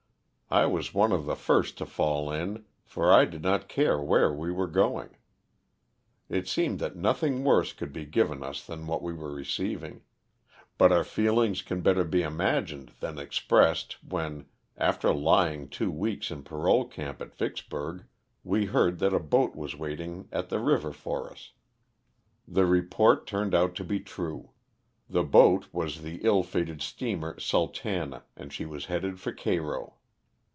I was one of the first to fall in, for I did not care where LOSS OF THE SULTANA. 331 we were going. It seemed that nothing worse could be given us than what we were receiving ; but our feel ings can better be imagined than expressed when, after lying two weeks in parole camp at Vicksburg, we heard that a boat was waiting at the river for us. The re port turned out to be true. The boat was the ill fated steamer '^Sultana" and she was headed for Cairo.